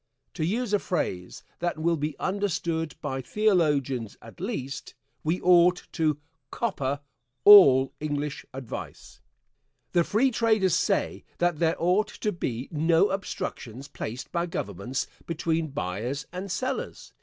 To use a phrase that will be understood by theologians at least, we ought to "copper" all English advice. The free traders say that there ought to be no obstructions placed by governments between buyers and sellers.